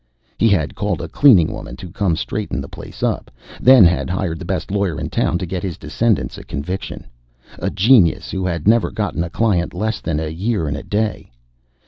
He had called a cleaning woman to come straighten the place up, then had hired the best lawyer in town to get his descendants a conviction, a genius who had never gotten a client less than a year and a day.